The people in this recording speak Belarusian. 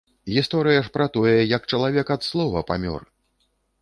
Гісторыя ж пра тое, як чалавек ад слова памёр!